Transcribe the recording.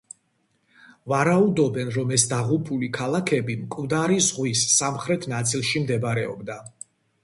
ვარაუდობენ, რომ ეს დაღუპული ქალაქები მკვდარი ზღვის სამხრეთ ნაწილში მდებარეობდა.